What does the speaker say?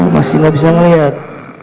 masih tidak bisa melihat